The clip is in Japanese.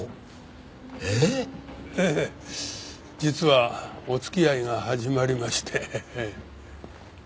ええ実はお付き合いが始まりまして。